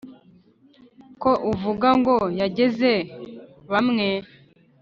Ko avuga ngo yageze bamwe.